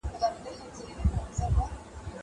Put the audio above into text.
امادګي د ښوونکي له خوا منظم کيږي.